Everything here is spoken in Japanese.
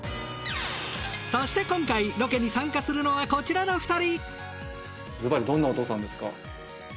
そして今回ロケに参加するのはこちらの２人。